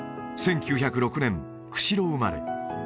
１９０６年釧路生まれ